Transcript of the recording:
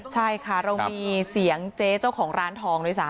ใช่ค่ะเรามีเสียงเจ๊เจ้าของร้านทองด้วยซ้ำ